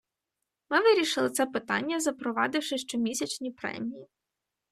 Ми вирішили це питання, запровадивши щомісячні премії.